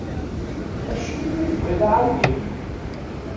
Acimi i tebɣiḍ aɛewdiw?